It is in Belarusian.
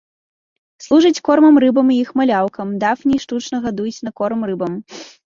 Служаць кормам рыбам і іх маляўкам, дафній штучна гадуюць на корм рыбам.